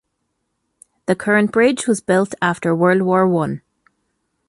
The current bridge was built after World War One.